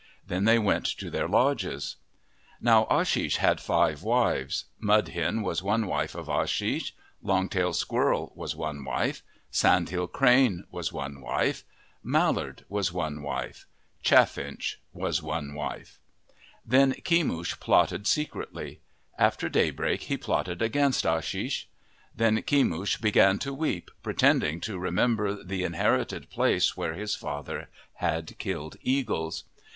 Then they went to their lodges. Now Ashish had five wives. Mud Hen was one wife of Ashish ; Long tail Squirrel was one wife ; Sandhill Crane was one wife ; Mallard was one wife ; Chaffinch was one wife. Then Kemush plotted secretly. After daybreak he plotted against Ashish. Then Kemush began to weep, pretending to remember the inherited place 51 MYTHS AND LEGENDS where his father had killed eagles.